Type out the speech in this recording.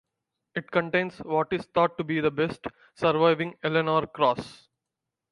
It contains what is thought to be the best surviving Eleanor cross.